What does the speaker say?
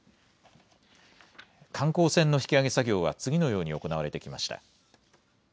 観光船の引き揚げ作業は次のように行われてきました。